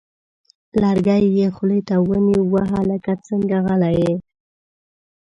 لرګی یې خولې ته ونیوه: وه هلکه څنګه غلی یې!؟